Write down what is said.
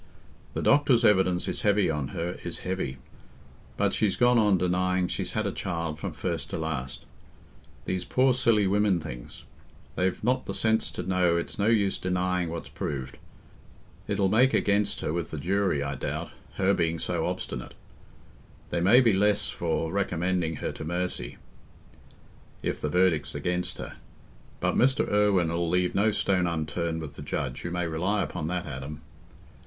The doctors' evidence is heavy on her—is heavy. But she's gone on denying she's had a child from first to last. These poor silly women things—they've not the sense to know it's no use denying what's proved. It'll make against her with the jury, I doubt, her being so obstinate: they may be less for recommending her to mercy, if the verdict's against her. But Mr. Irwine 'ull leave no stone unturned with the judge—you may rely upon that, Adam."